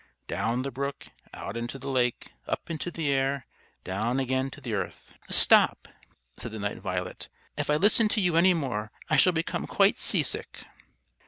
Down the brook, out into the lake, up into the air, down again to the earth " "Stop!" said the Night Violet. "If I listen to you any more, I shall become quite sea sick."